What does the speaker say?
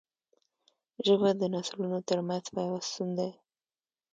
ژبه د نسلونو ترمنځ پیوستون دی